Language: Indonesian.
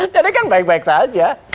jadi kan baik baik saja